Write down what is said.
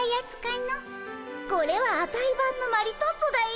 これはアタイばんのマリトッツォだよ。